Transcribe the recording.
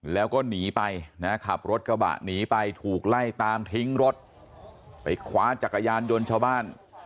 แล้วก็หนีไปนะขับรถกระบะหนีไปถูกไล่ตามทิ้งรถไปคว้าจักรยานยนต์ชาวบ้าน